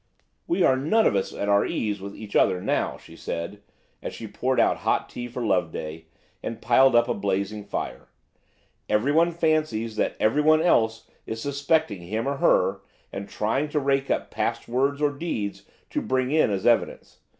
"We are none of us at our ease with each other now," she said, as she poured out hot tea for Loveday, and piled up a blazing fire. "Everyone fancies that everyone else is suspecting him or her, and trying to rake up past words or deeds to bring in as evidence.